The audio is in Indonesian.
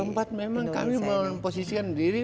tempat memang kami memposisikan diri